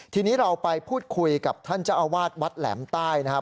ทีนี้เราไปพูดคุยกับท่านเจ้าอาวาสวัดแหลมใต้นะครับ